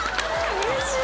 うれしい。